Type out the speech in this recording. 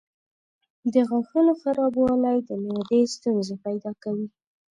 د غاښونو خرابوالی د معدې ستونزې پیدا کوي.